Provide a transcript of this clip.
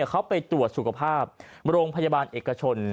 เขาไปตรวจสุขภาพโรงพยาบาลเอกชน